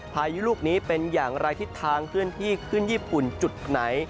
พายุลูกนี้เป็นอย่างไรทิศทางเคลื่อนที่ขึ้นญี่ปุ่นจุดไหน